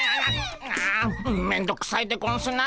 あめんどくさいでゴンスな。